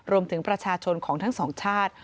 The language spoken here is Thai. รวมถึงประชาชนของทั้งสองชาติ